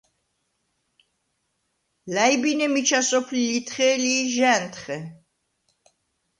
ლა̈ჲბინე მიჩა სოფლი ლითხე̄ლი ი ჟ’ა̈ნთხე.